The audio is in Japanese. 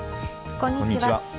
こんにちは。